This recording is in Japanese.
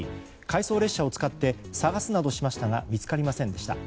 回送列車を使って捜すなどしましたが見つかりませんでした。